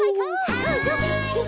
はい！